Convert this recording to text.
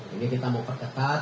ini kita mau perketat